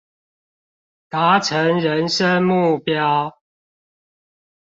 達成人生目標